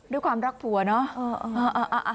ด้วยความรักผัวเนอะ